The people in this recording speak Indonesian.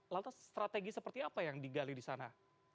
lantas strategi seperti apa yang digali di sana